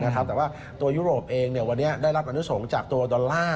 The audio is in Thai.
แต่ว่าตัวยุโรปเองวันนี้ได้รับอนุสงค์จากตัวดอลลาร์